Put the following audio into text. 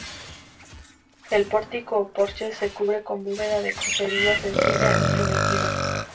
El pórtico o porche se cubre con bóveda de crucería sencilla y primitiva.